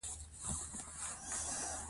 د واده وړاندیز د شتمن سړي له خوا و.